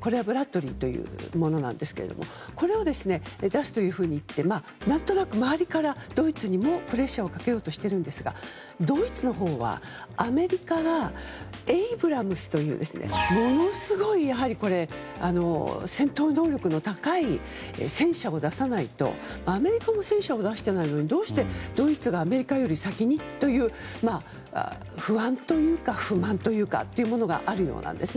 これは、ブラッドリーというものなんですがこれを出すというふうに言って何となく周りからドイツにもプレッシャーをかけようとしているんですがドイツのほうは、アメリカがエイブラムスというものすごい戦闘能力の高い戦車を出さないとアメリカも出していないのにどうしてドイツがアメリカより先に？という不安というか不満というかがあるようなんですね。